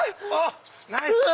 ナイス！